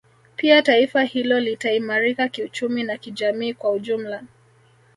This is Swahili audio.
Pia taifa hilo litaimarika kiuchumi na kijamii kwa ujumla